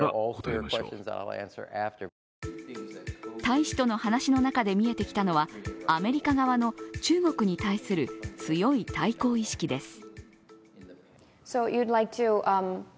大使との話の中で見えてきたのはアメリカ側の中国に対する強い対抗意識です。